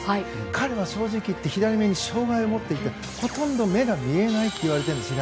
彼は正直言って左目に障害を持っていてほとんど目が見えないといわれているんです。